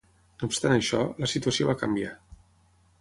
No obstant això, la situació va canviar.